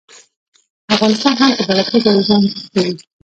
افغانستان هم په دغه توګه د ځان کړي.